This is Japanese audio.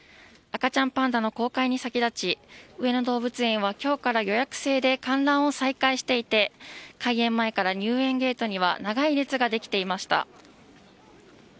赤ちゃんパンダの公開に先立ち、上野動物園はきょうから予約制で観覧を再開していて、開園前から入園ゲートには長い列が出来ていました。